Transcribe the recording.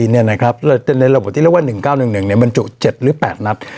นี่นะครับแล้วในระบบที่เรียกว่า๑๙๑๑เนี่ยมันจุด๗หรือ๘นัด